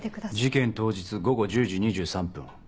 事件当日午後１０時２３分。